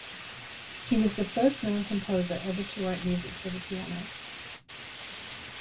He was the first known composer ever to write music for the piano.